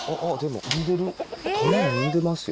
卵産んでますよ。